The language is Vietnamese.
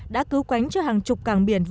đã cứu quánh cho hàng chục cảng biển